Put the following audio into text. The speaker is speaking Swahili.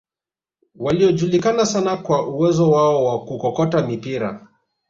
waliojulikana sana kwa uwezo wao wa kukokota mipira